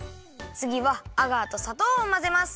つぎはアガーとさとうをまぜます。